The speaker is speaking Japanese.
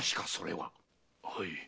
はい。